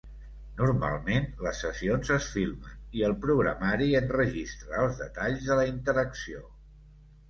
Normalment, les sessions es filmen i el programari enregistra els detalls de la interacció.